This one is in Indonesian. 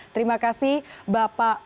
terima kasih bapak